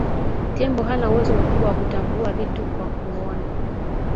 tembo hana uwezo mkubwa wa kutambua vitu kwa kuona